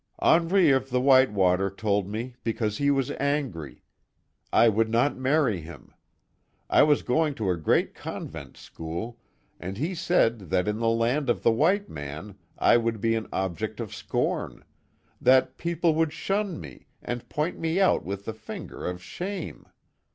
"Henri of the White Water told me because he was angry. I would not marry him. I was going to a great convent school, and he said that in the land of the white man I would be an object of scorn that people would shun me, and point me out with the finger of shame.